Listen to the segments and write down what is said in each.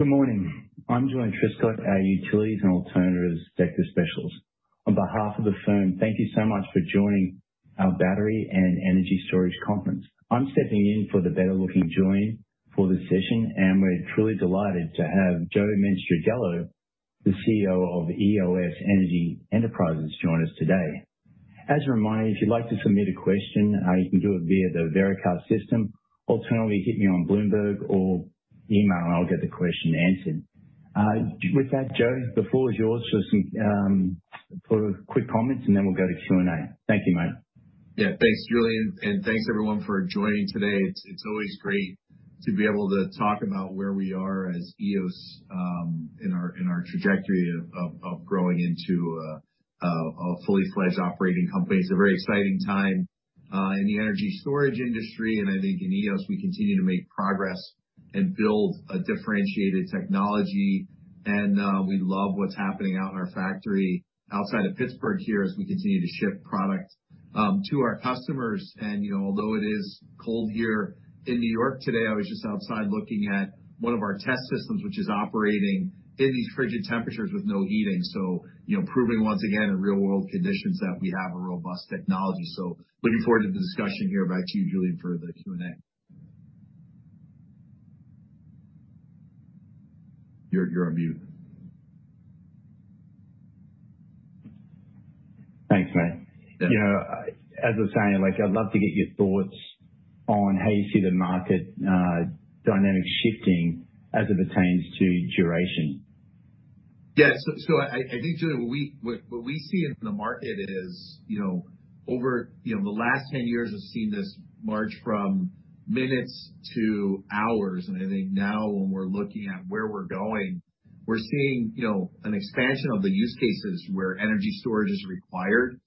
Good morning. I'm Julien Dumoulin-Smith, a Utilities and Alternatives Sector Specialist. On behalf of the firm, thank you so much for joining our battery and energy storage conference. I'm stepping in for the better-looking Julien for this session, and we're truly delighted to have Joe Mastrangelo, the CEO of Eos Energy Enterprises, join us today. As a reminder, if you'd like to submit a question, you can do it via the Veracast system. Alternatively, hit me on Bloomberg or email, and I'll get the question answered. With that, Joe, the floor is yours for some quick comments, and then we'll go to Q&A. Thank you, mate. Yeah, thanks, Julien, and thanks, everyone, for joining today. It's always great to be able to talk about where we are as Eos in our trajectory of growing into a fully fledged operating company. It's a very exciting time in the energy storage industry, and I think in Eos we continue to make progress and build a differentiated technology. We love what's happening out in our factory outside of Pittsburgh here as we continue to ship product to our customers. You know, although it is cold here in New York today, I was just outside looking at one of our test systems, which is operating in these frigid temperatures with no heating. You know, proving once again in real world conditions that we have a robust technology. Looking forward to the discussion here. Back to you, Julien, for the Q&A. You're on mute. Thanks, mate. Yeah. You know, as I was saying, like, I'd love to get your thoughts on how you see the market dynamics shifting as it pertains to duration. I think, Julien, what we see in the market is, you know, over the last 10 years, we've seen this march from minutes to hours. I think now when we're looking at where we're going, we're seeing, you know, an expansion of the use cases where energy storage is required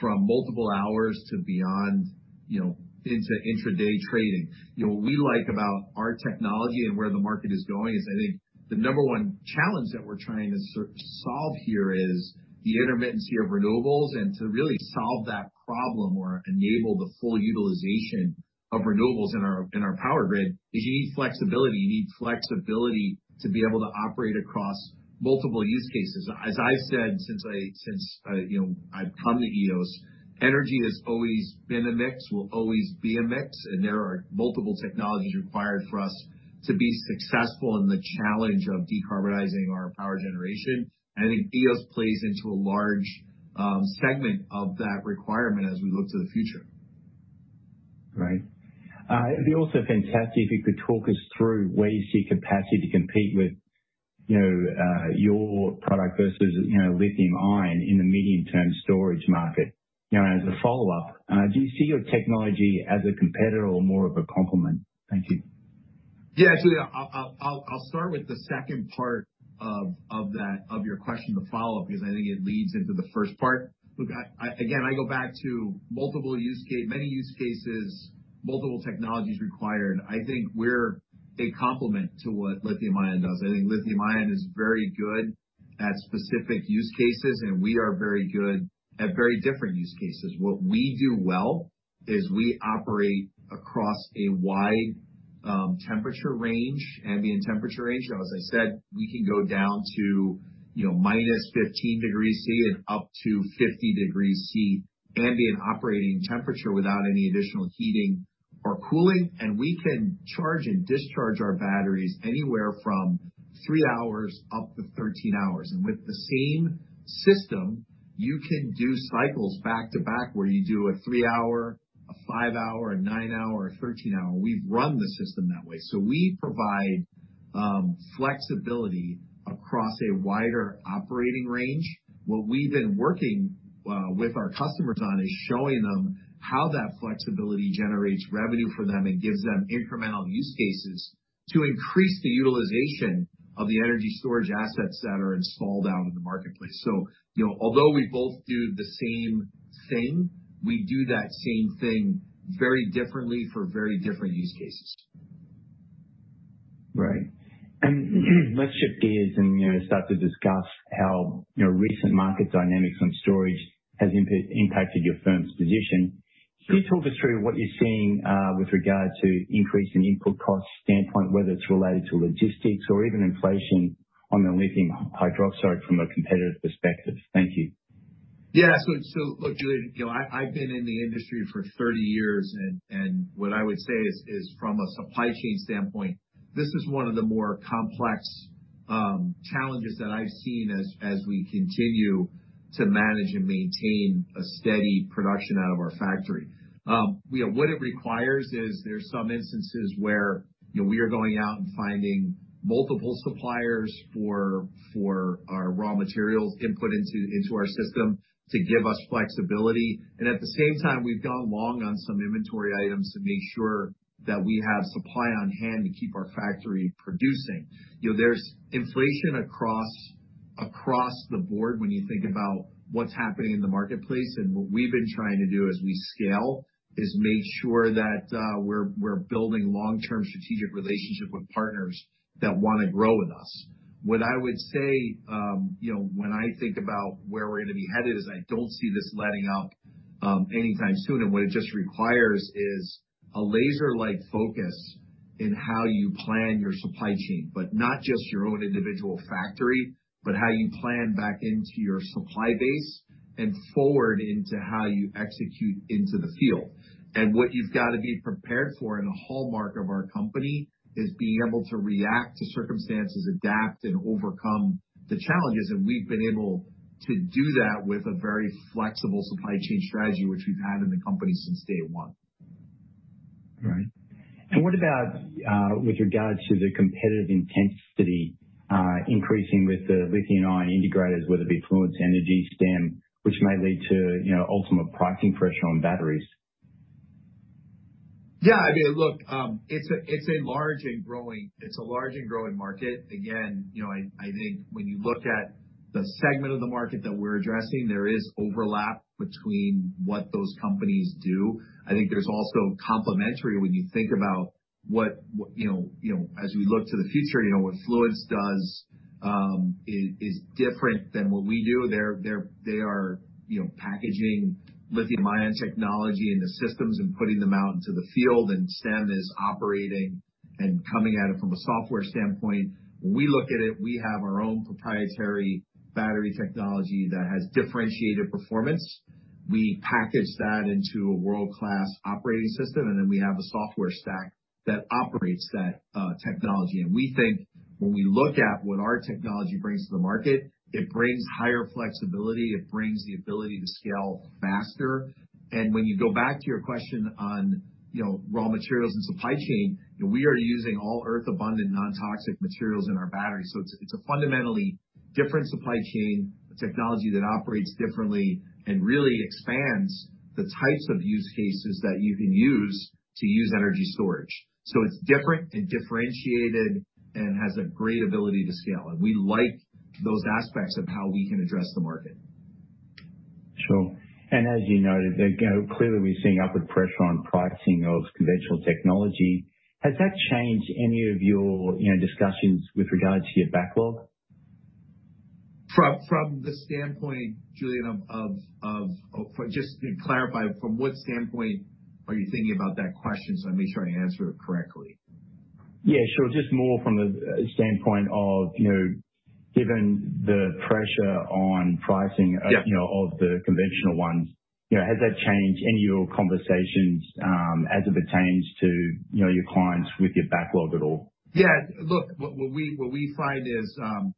from multiple hours to beyond, you know, into intraday trading. You know, what we like about our technology and where the market is going is, I think the number one challenge that we're trying to solve here is the intermittency of renewables. To really solve that problem or enable the full utilization of renewables in our power grid is you need flexibility. You need flexibility to be able to operate across multiple use cases. As I've said since I, you know, I've come to Eos, energy has always been a mix, will always be a mix, and there are multiple technologies required for us to be successful in the challenge of decarbonizing our power generation. I think Eos plays into a large segment of that requirement as we look to the future. Right. It'd be also fantastic if you could talk us through where you see capacity to compete with, you know, your product versus, you know, lithium-ion in the medium-term storage market. You know, as a follow-up, do you see your technology as a competitor or more of a complement? Thank you. Yeah, actually, I'll start with the second part of that of your question to follow up, because I think it leads into the first part. Look, again, I go back to many use cases, multiple technologies required. I think we're a complement to what lithium-ion does. I think lithium-ion is very good at specific use cases, and we are very good at very different use cases. What we do well is we operate across a wide temperature range, ambient temperature range. So as I said, we can go down to, you know, -15 degrees Celsius and up to 50 degrees Celsius ambient operating temperature without any additional heating or cooling. We can charge and discharge our batteries anywhere from three hours up to 13 hours. With the same system, you can do cycles back-to-back where you do a three-hour, a five-hour, a nine-hour, a 13-hour. We've run the system that way. We provide flexibility across a wider operating range. What we've been working with our customers on is showing them how that flexibility generates revenue for them and gives them incremental use cases to increase the utilization of the energy storage assets that are installed out in the marketplace. You know, although we both do the same thing, we do that same thing very differently for very different use cases. Right. Let's shift gears and, you know, start to discuss how, you know, recent market dynamics on storage has impacted your firm's position. Can you talk us through what you're seeing with regard to increase in input costs standpoint, whether it's related to logistics or even inflation on the lithium hydroxide from a competitive perspective? Thank you. Yeah. Look, Julien, you know, I've been in the industry for 30 years and what I would say is from a supply chain standpoint, this is one of the more complex challenges that I've seen as we continue to manage and maintain a steady production out of our factory. You know, what it requires is there's some instances where, you know, we are going out and finding multiple suppliers for our raw materials input into our system to give us flexibility. At the same time we've gone long on some inventory items to make sure that we have supply on hand to keep our factory producing. You know, there's inflation across the board when you think about what's happening in the marketplace. What we've been trying to do as we scale is make sure that we're building long-term strategic relationships with partners that wanna grow with us. What I would say, you know, when I think about where we're gonna be headed is I don't see this letting up anytime soon. What it just requires is a laser-like focus in how you plan your supply chain, but not just your own individual factory, but how you plan back into your supply base and forward into how you execute into the field. What you've got to be prepared for, and a hallmark of our company, is being able to react to circumstances, adapt, and overcome the challenges. We've been able to do that with a very flexible supply chain strategy which we've had in the company since day one. Right. What about, with regards to the competitive intensity, increasing with the lithium-ion integrators, whether it be Fluence Energy, Stem, which may lead to, you know, ultimate pricing pressure on batteries? Yeah. I mean, look, it's a large and growing market. Again, you know, I think when you look at the segment of the market that we're addressing, there is overlap between what those companies do. I think there's also complementary when you think about what you know as we look to the future, you know, what Fluence does is different than what we do. They are, you know, packaging lithium-ion technology in the systems and putting them out into the field, and Stem is operating and coming at it from a software standpoint. When we look at it, we have our own proprietary battery technology that has differentiated performance. We package that into a world-class operating system, and then we have a software stack that operates that technology. We think when we look at what our technology brings to the market, it brings higher flexibility, it brings the ability to scale faster. When you go back to your question on, you know, raw materials and supply chain, you know, we are using all Earth-abundant, non-toxic materials in our batteries. It's a fundamentally different supply chain technology that operates differently and really expands the types of use cases that you can use energy storage. It's different and differentiated and has a great ability to scale. We like those aspects of how we can address the market. Sure. As you noted, again, clearly we're seeing upward pressure on pricing of conventional technology. Has that changed any of your, you know, discussions with regards to your backlog? Just to clarify, from what standpoint are you thinking about that question, so I make sure I answer it correctly? Yeah, sure. Just more from the standpoint of, you know, given the pressure on pricing... Yeah. of, you know, of the conventional ones, you know, has that changed any of your conversations, as it pertains to, you know, your clients with your backlog at all? Yeah. Look, what we find is,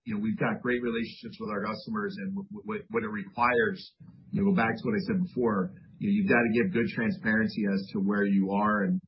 you know, we've got great relationships with our customers and what it requires, you know, go back to what I said before, you know, you've got to give good transparency as to where you are and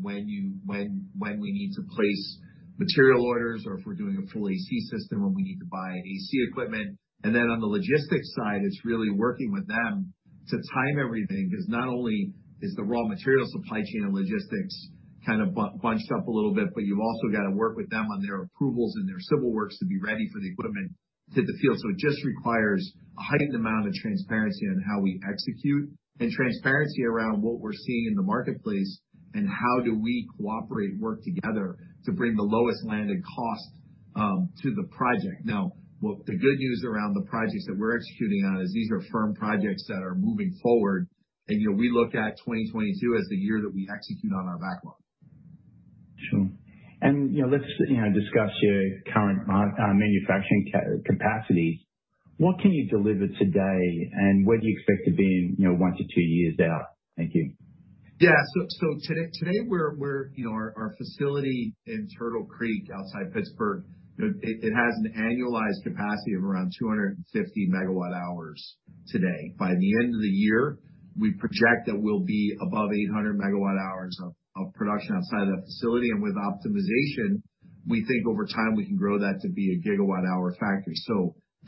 when we need to place material orders or if we're doing a full AC system when we need to buy AC equipment. On the logistics side, it's really working with them to time everything. 'Cause not only is the raw material supply chain and logistics kind of bunched up a little bit, but you've also got to work with them on their approvals and their civil works to be ready for the equipment to hit the field. It just requires a heightened amount of transparency on how we execute and transparency around what we're seeing in the marketplace and how do we cooperate, work together to bring the lowest landed cost to the project. Now, what the good news around the projects that we're executing on is these are firm projects that are moving forward. You know, we look at 2022 as the year that we execute on our backlog. Sure. You know, let's, you know, discuss your current manufacturing capacity. What can you deliver today, and where do you expect to be in, you know, one-two years out? Thank you. Yeah. Today we're, you know, our facility in Turtle Creek outside Pittsburgh, you know, it has an annualized capacity of around 250 MWh today. By the end of the year, we project that we'll be above 800 MWh of production outside of the facility. With optimization, we think over time we can grow that to be a GWh factory.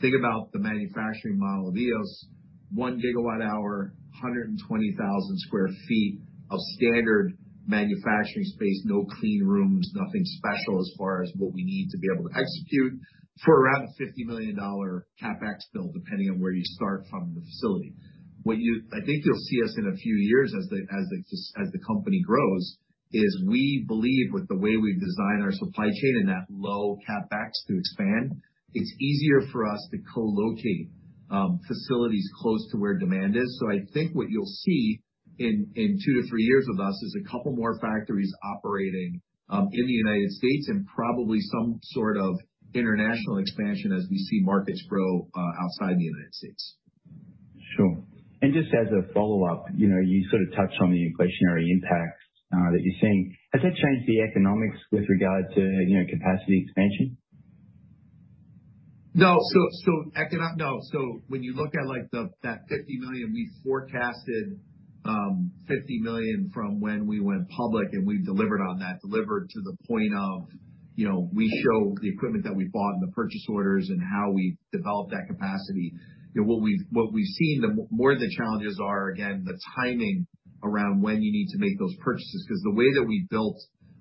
Think about the manufacturing model of Eos. 1 GWh, 120,000 sq ft of standard manufacturing space, no clean rooms, nothing special as far as what we need to be able to execute for around a $50 million CapEx build, depending on where you start from in the facility. What you... I think you'll see us in a few years as the company grows, we believe, with the way we've designed our supply chain and that low CapEx to expand, it's easier for us to co-locate facilities close to where demand is. I think what you'll see in two-three years with us is a couple more factories operating in the United States and probably some sort of international expansion as we see markets grow outside the United States. Sure. Just as a follow-up, you know, you sort of touched on the inflationary impact that you're seeing. Has that changed the economics with regard to, you know, capacity expansion? When you look at, like, that $50 million, we forecasted $50 million from when we went public, and we delivered on that. Delivered to the point of, you know, we show the equipment that we bought and the purchase orders and how we developed that capacity. You know, what we've seen, the more the challenges are, again, the timing around when you need to make those purchases. 'Cause the way that we built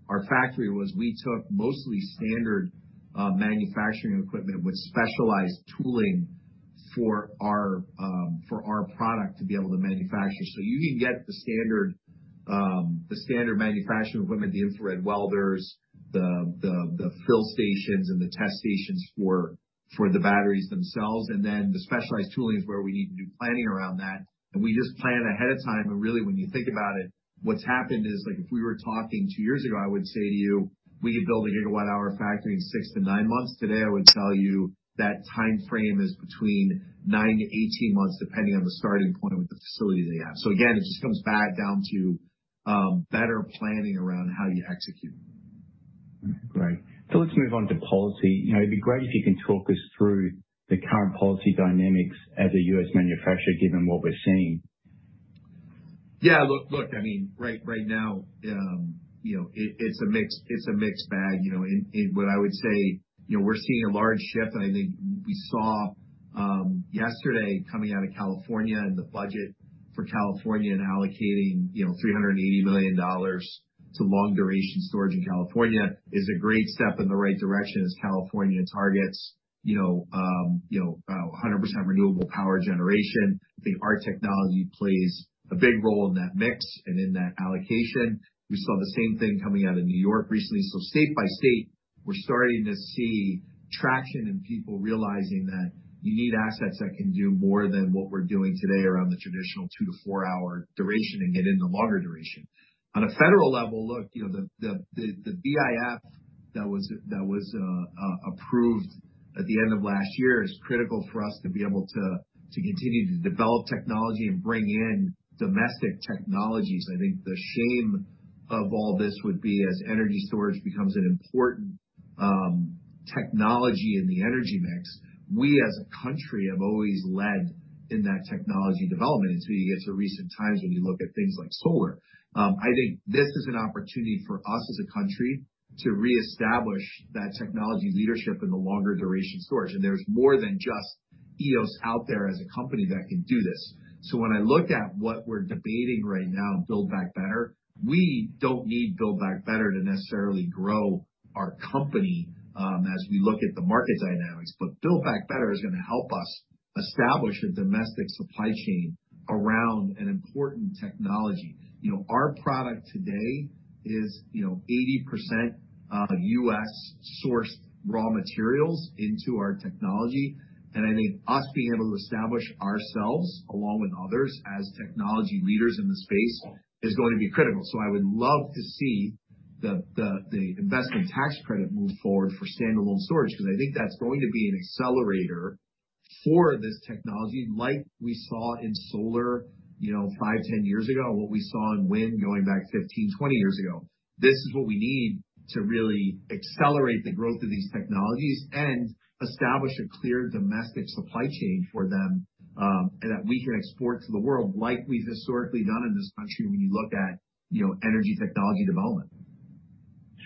our factory was we took mostly standard manufacturing equipment with specialized tooling for our product to be able to manufacture. You can get the standard manufacturing equipment, the infrared welders, the fill stations and the test stations for the batteries themselves, and then the specialized tooling is where we need to do planning around that. We just plan ahead of time, and really, when you think about it, what's happened is, like, if we were talking two years ago, I would say to you, we could build a gigawatt-hour factory in six-nine months. Today, I would tell you that timeframe is between nine-18 months, depending on the starting point of the facility they have. It just comes back down to better planning around how you execute. Great. Let's move on to policy. You know, it'd be great if you can talk us through the current policy dynamics as a U.S. manufacturer, given what we're seeing. Yeah. Look, right now, I mean, it's a mixed bag, you know. In what I would say, you know, we're seeing a large shift, and I think we saw yesterday coming out of California and the budget for California and allocating, you know, $380 million to long-duration storage in California is a great step in the right direction as California targets, you know, 100% renewable power generation. I think our technology plays a big role in that mix and in that allocation. We saw the same thing coming out of New York recently. State by state, we're starting to see traction and people realizing that you need assets that can do more than what we're doing today around the traditional two-four-hour duration and get into longer duration. On a federal level, you know, the BIF that was approved at the end of last year is critical for us to be able to continue to develop technology and bring in domestic technologies. I think the shame of all this would be as energy storage becomes an important technology in the energy mix, we, as a country, have always led in that technology development until you get to recent times when you look at things like solar. I think this is an opportunity for us as a country to reestablish that technology leadership in the long-duration storage. There's more than just Eos out there as a company that can do this. When I look at what we're debating right now in Build Back Better, we don't need Build Back Better to necessarily grow our company, as we look at the market dynamics, but Build Back Better is gonna help us establish a domestic supply chain around an important technology. You know, our product today is, you know, 80% of U.S.-sourced raw materials into our technology. I think us being able to establish ourselves, along with others as technology leaders in the space is going to be critical. I would love to see the investment tax credit move forward for standalone storage because I think that's going to be an accelerator for this technology like we saw in solar, you know, five, 10 years ago, and what we saw in wind going back 15, 20 years ago. This is what we need to really accelerate the growth of these technologies and establish a clear domestic supply chain for them that we can export to the world like we've historically done in this country when you look at, you know, energy technology development.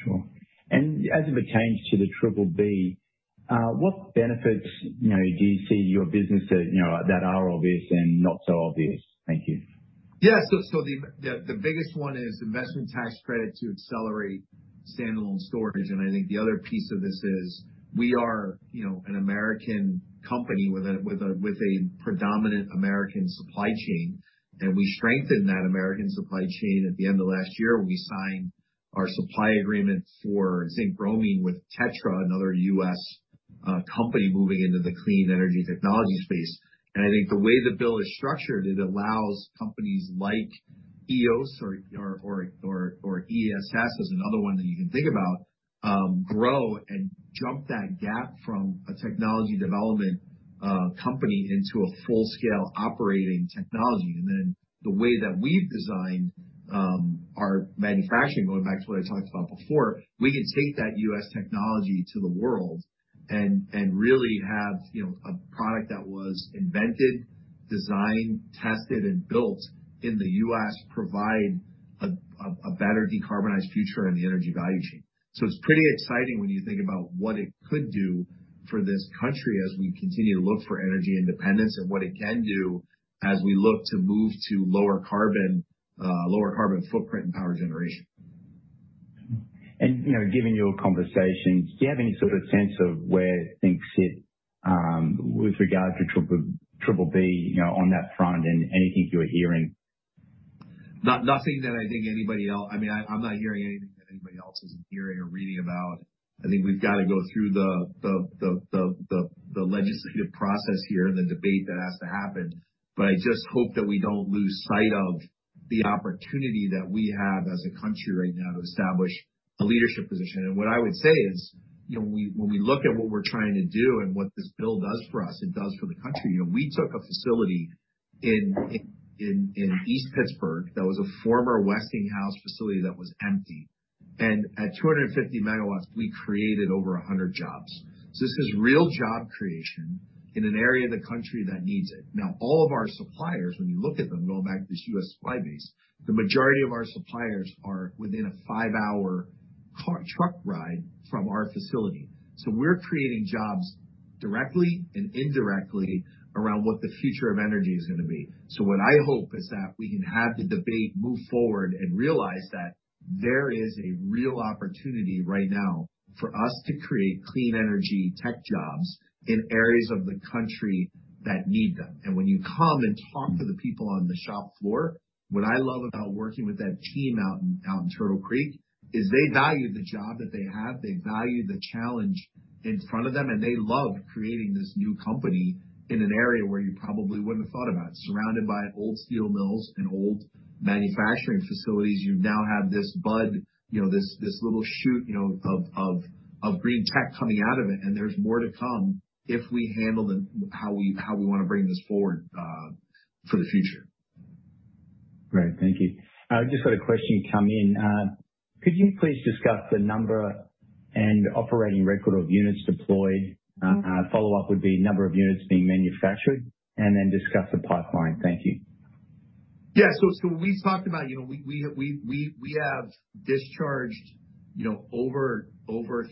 Sure. As it pertains to the BBB, what benefits, you know, do you see your business that, you know, that are obvious and not so obvious? Thank you. Yeah. The biggest one is investment tax credit to accelerate standalone storage, and I think the other piece of this is we are, you know, an American company with a predominant American supply chain, and we strengthened that American supply chain at the end of last year when we signed our supply agreement for zinc-bromide with Tetra, another U.S. company moving into the clean energy technology space. I think the way the bill is structured, it allows companies like Eos or ESS as another one that you can think about grow and jump that gap from a technology development company into a full-scale operating technology. Then the way that we've designed our manufacturing, going back to what I talked about before, we can take that U.S. technology to the world and really have, you know, a product that was invented, designed, tested, and built in the U.S. provide a better decarbonized future in the energy value chain. It's pretty exciting when you think about what it could do for this country as we continue to look for energy independence and what it can do as we look to move to lower carbon footprint in power generation. You know, given your conversation, do you have any sort of sense of where things sit with regard to BBB, you know, on that front and anything you're hearing? Nothing that I think anybody else, I mean, I'm not hearing anything that anybody else isn't hearing or reading about. I think we've got to go through the legislative process here and the debate that has to happen, but I just hope that we don't lose sight of the opportunity that we have as a country right now to establish a leadership position. What I would say is, you know, when we look at what we're trying to do and what this bill does for us and does for the country, you know, we took a facility in East Pittsburgh that was a former Westinghouse facility that was empty. At 250 MW, we created over 100 jobs. This is real job creation in an area of the country that needs it. Now, all of our suppliers, when you look at them, going back to this U.S. supply base, the majority of our suppliers are within a five-hour truck ride from our facility. We're creating jobs directly and indirectly around what the future of energy is gonna be. What I hope is that we can have the debate move forward and realize that there is a real opportunity right now for us to create clean energy tech jobs in areas of the country that need them. When you come and talk to the people on the shop floor, what I love about working with that team out in Turtle Creek is they value the job that they have, they value the challenge in front of them, and they love creating this new company in an area where you probably wouldn't have thought about it. Surrounded by old steel mills and old manufacturing facilities, you now have this bud, you know, this little shoot, you know, of green tech coming out of it and there's more to come if we handle the how we wanna bring this forward for the future. Great. Thank you. I've just got a question come in. Could you please discuss the number and operating record of units deployed? A follow-up would be number of units being manufactured, and then discuss the pipeline. Thank you. We talked about, you know, we have discharged, you know, over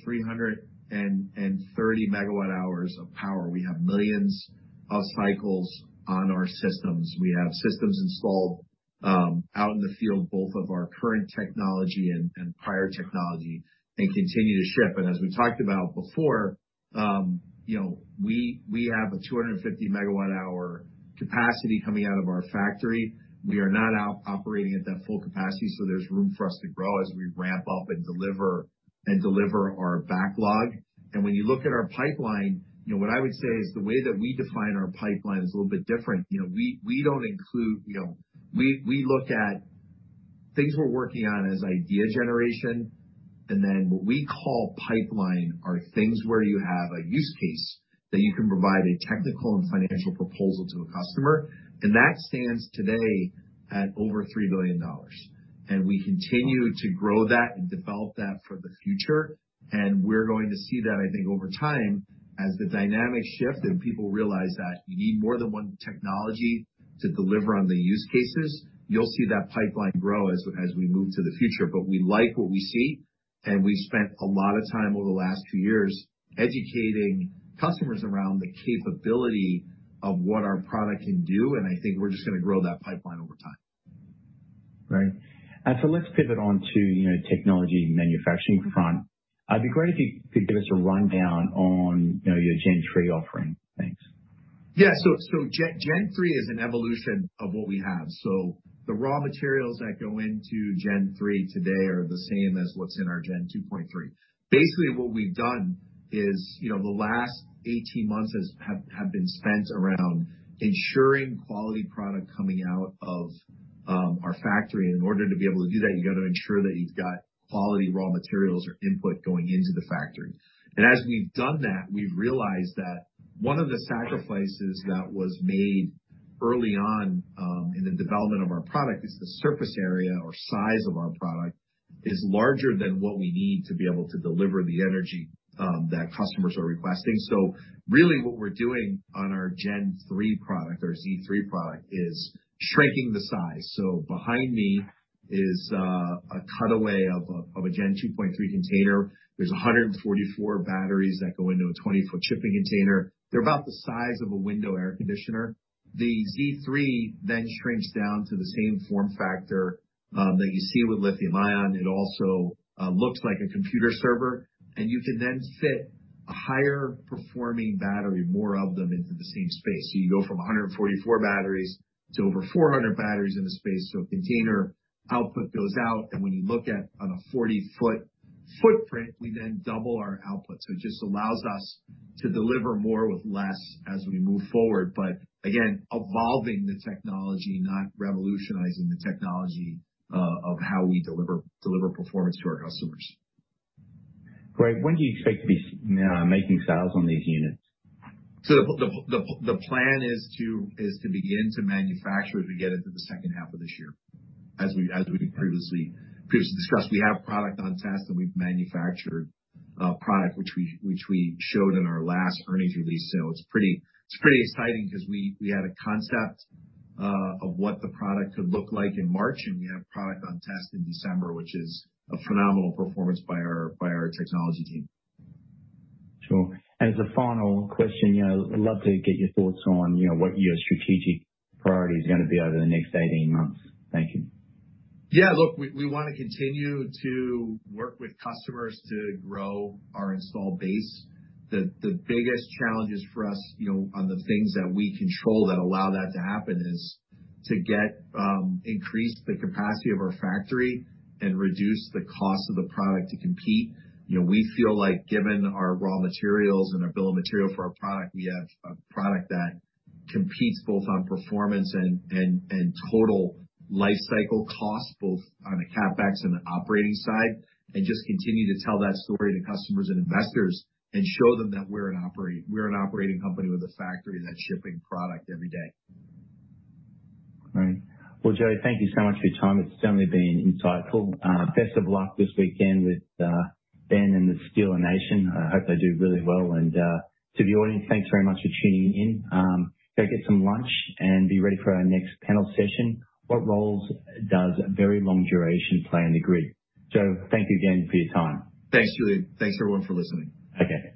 330 MWh of power. We have millions of cycles on our systems. We have systems installed out in the field, both of our current technology and prior technology, and continue to ship. As we talked about before, you know, we have a 250 MWh capacity coming out of our factory. We are not operating at that full capacity, so there's room for us to grow as we ramp up and deliver our backlog. When you look at our pipeline, you know, what I would say is the way that we define our pipeline is a little bit different. You know, we don't include you know. We look at things we're working on as idea generation, and then what we call pipeline are things where you have a use case that you can provide a technical and financial proposal to a customer. That stands today at over $3 billion. We continue to grow that and develop that for the future. We're going to see that, I think, over time, as the dynamics shift and people realize that you need more than one technology to deliver on the use cases. You'll see that pipeline grow as we move to the future. We like what we see, and we've spent a lot of time over the last few years educating customers around the capability of what our product can do, and I think we're just gonna grow that pipeline over time. Right. Let's pivot on to, you know, technology and manufacturing front. It'd be great if you could give us a rundown on, you know, your Gen 3 offering. Thanks. Yeah. Gen 3 is an evolution of what we have. The raw materials that go into Gen 3 today are the same as what's in our Gen 2.3. Basically, what we've done is, you know, the last 18 months have been spent around ensuring quality product coming out of our factory. In order to be able to do that, you gotta ensure that you've got quality raw materials or input going into the factory. As we've done that, we've realized that one of the sacrifices that was made early on in the development of our product is the surface area or size of our product is larger than what we need to be able to deliver the energy that customers are requesting. Really what we're doing on our Gen 3 product, our Z3 product, is shrinking the size. Behind me is a cutaway of a Gen 2.3 container. There's 144 batteries that go into a 20-foot shipping container. They're about the size of a window air conditioner. The Z3 then shrinks down to the same form factor that you see with lithium-ion. It also looks like a computer server, and you can then fit a higher performing battery, more of them into the same space. You go from 144 batteries to over 400 batteries in a space of a container. Output goes up, and when you look at a 40-foot footprint, we then double our output. It just allows us to deliver more with less as we move forward. Again, evolving the technology, not revolutionizing the technology, of how we deliver performance to our customers. Great. When do you expect to be making sales on these units? The plan is to begin to manufacture as we get into the second half of this year. As we previously discussed, we have product on test and we've manufactured product which we showed in our last earnings release. It's pretty exciting 'cause we had a concept of what the product could look like in March, and we have product on test in December, which is a phenomenal performance by our technology team. Sure. As a final question, you know, I'd love to get your thoughts on, you know, what your strategic priority is gonna be over the next 18 months. Thank you. Yeah. Look, we wanna continue to work with customers to grow our install base. The biggest challenges for us, you know, on the things that we control that allow that to happen is to increase the capacity of our factory and reduce the cost of the product to compete. You know, we feel like given our raw materials and our bill of material for our product, we have a product that competes both on performance and total lifecycle cost, both on the CapEx and the operating side. Just continue to tell that story to customers and investors, and show them that we're an operating company with a factory that's shipping product every day. All right. Well, Joe, thank you so much for your time. It's certainly been insightful. Best of luck this weekend with Ben and the Steeler Nation. I hope they do really well. To the audience, thanks very much for tuning in. Go get some lunch and be ready for our next panel session: What roles does very long duration play in the grid? Joe, thank you again for your time. Thanks, Julien. Thanks, everyone, for listening. Okay. Thank you. Bye.